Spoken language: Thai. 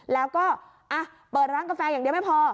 แล้วก็เปิดร้านกาแฟอย่างเดียวไม่พอ